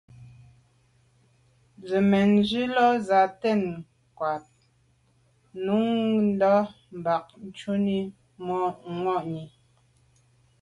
Jə̂ mə̀ndzwí lá zǎ tɛ̌n kghwâ’ ncùndá bâ shúnɔ̀m mwà’nì.